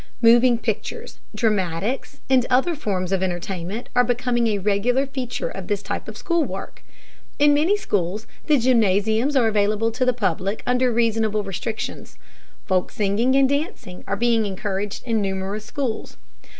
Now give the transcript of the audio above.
Moving pictures, dramatics, and other forms of entertainment are becoming a regular feature of this type of school work. In many schools the gymnasiums are available to the public under reasonable restrictions. Folk singing and dancing are being encouraged in numerous schools.